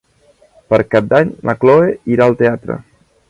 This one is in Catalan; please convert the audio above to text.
Per Cap d'Any na Cloè irà al teatre.